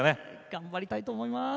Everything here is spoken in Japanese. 頑張りたいと思います。